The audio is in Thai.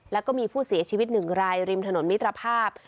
แล้วก็มีผู้เสียชีวิตหนึ่งรายริมถนนมิตรภาพ